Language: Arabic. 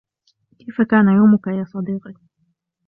كيف كان يومك يا صديقي